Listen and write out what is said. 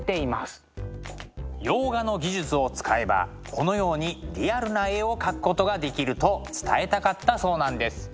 洋画の技術を使えばこのようにリアルな絵を描くことができると伝えたかったそうなんです。